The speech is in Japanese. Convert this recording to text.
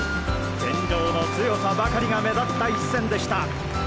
健丈の強さばかりが目立った一戦でした。